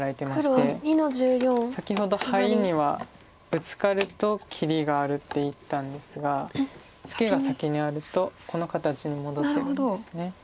先ほどハイにはブツカると切りがあるって言ったんですがツケが先にあるとこの形に戻ってるんです。